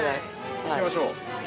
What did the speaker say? ◆いきましょう。